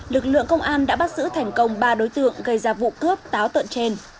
lực lượng công an đã bắt giữ thành công ba đối tượng gây ra vụ cướp táo tợn trên